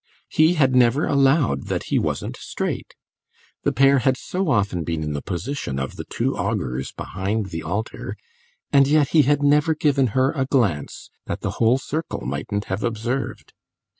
He had never allowed that he wasn't straight; the pair had so often been in the position of the two augurs behind the altar, and yet he had never given her a glance that the whole circle mightn't have observed.